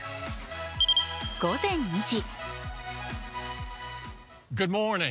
午前２時。